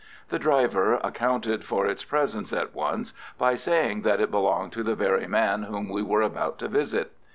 The driver accounted for its presence at once by saying that it belonged to the very man whom we were about to visit.